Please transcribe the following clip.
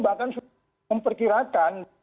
bahkan sudah memperkirakan